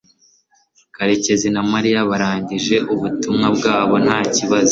karekezi na mariya barangije ubutumwa bwabo nta kibazo